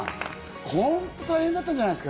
ホント大変だったんじゃないですか？